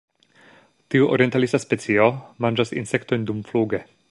Tiu orientalisa specio manĝas insektojn dumfluge.